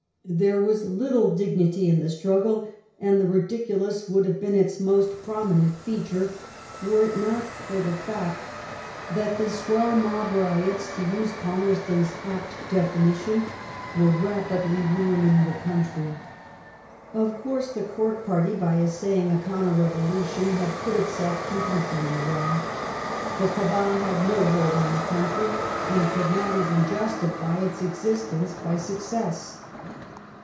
There was little dignity in the struggle, and the ridiculous would have been its most prominent feature, were it not for the fact that the " swell raob riots" — to use Palmerston's apt definition — were rapidly ruining the country. Of course, the Court party, by essaying a counter revolution, had put itself completely in the wrong ; the cabal had no hold on the country, and could not even justify its existence by success.